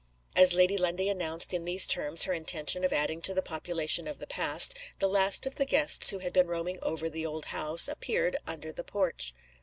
As Lady Lundie announced, in these terms, her intention of adding to the population of the past, the last of the guests who had been roaming over the old house appeared under the porch.